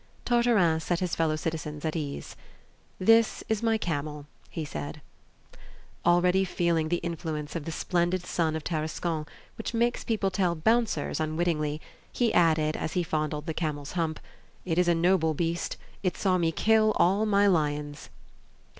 Tartarin set his fellow citizens at ease. "This is my camel," he said. Already feeling the influence of the splendid sun of Tarascon, which makes people tell "bouncers" unwittingly, he added, as he fondled the camel's hump: "It is a noble beast! It saw me kill all my lions!"